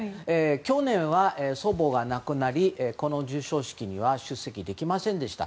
去年は祖母が亡くなりこの授賞式には出席できませんでした。